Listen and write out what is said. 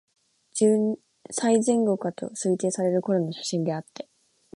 十歳前後かと推定される頃の写真であって、